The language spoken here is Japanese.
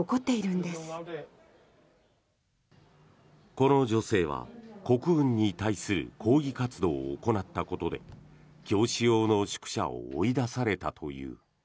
この女性は国軍に対する抗議活動を行ったことで教師用の宿舎を追い出されたという。